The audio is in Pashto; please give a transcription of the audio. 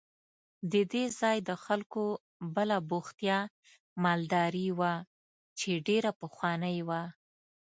د دې ځای د خلکو بله بوختیا مالداري وه چې ډېره پخوانۍ وه.